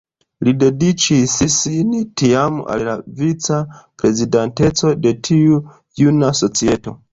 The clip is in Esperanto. Li dediĉis sin tiam al la vica-prezidanteco de tiu juna societo.